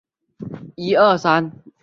哈豪森是德国下萨克森州的一个市镇。